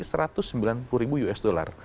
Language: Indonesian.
seratus sembilan puluh ribu us dollar